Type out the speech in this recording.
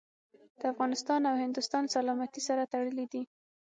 د افغانستان او هندوستان سلامتي سره تړلي دي.